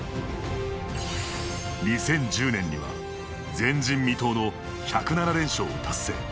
２０１０年には前人未到の１０７連勝を達成。